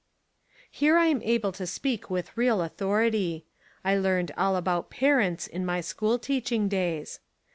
Here I am able to speak with real authority. I learned all about "parents" in my school teaching days.